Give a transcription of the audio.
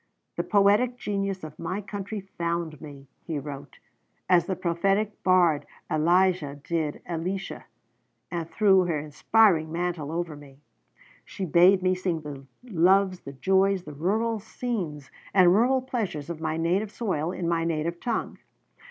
"The poetic genius of my country found me," he wrote, "as the prophetic bard Elijah did Elisha, and threw her inspiring mantle over me. She bade me sing the loves, the joys, the rural scenes and rural pleasures of my native soil in my native tongue.